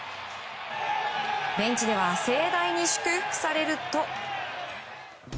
ベンチでは盛大に祝福されると。